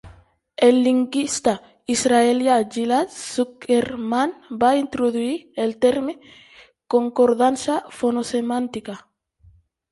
El lingüista israelià Ghil'ad Zuckermann va introduir el terme "concordança fono-semàntica".